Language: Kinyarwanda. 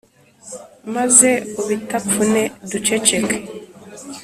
maze ubitapfune duceceke